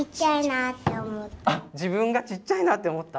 自分がちっちゃいなって思った？